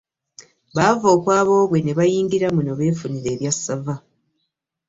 Baava okwa boobwe bayingire muno beefunire ebyassava.